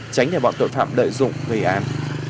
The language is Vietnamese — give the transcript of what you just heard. tránh để bọn tội phạm lợi dụng người an